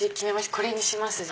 これにします。